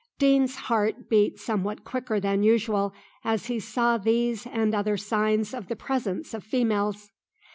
Deane's heart beat somewhat quicker than usual as he saw these and other signs of the presence of females.